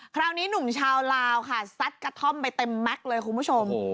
คราวนี้หนุ่มชาวลาวค่ะซัดกระท่อมไปเต็มแม็กซ์เลยคุณผู้ชม